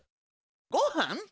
ごはん？